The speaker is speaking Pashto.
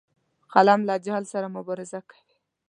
قلم له جهل سره مبارزه کوي